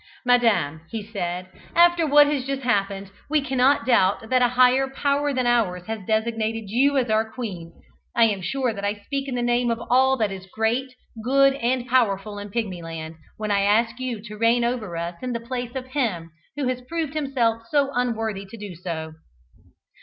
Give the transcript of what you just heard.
"Madam," he said, "after what has just happened, we cannot doubt that a higher power than ours has designated you as our queen. I am sure that I speak in the name of all that is great, good and powerful in Pigmyland, when I ask you to reign over us in the place of him who has proved himself so unworthy to do so."